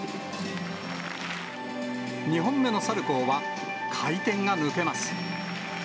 ２本目のサルコーは回転が抜けます。